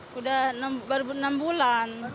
sudah enam bulan